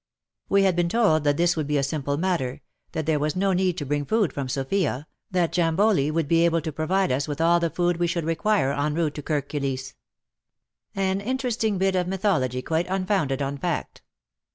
We had been told that this would be a WAR AND WOMEN 73 simple matter, that there was no need to bring food from Sofia, that Jamboli would be able to provide us with all the food we should require en route to Kirk Kilisse. An interest ing bit of mythology quite unfounded on fact.